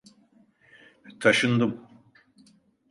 Taşındım.